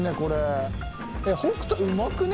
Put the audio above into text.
えっ北斗うまくね？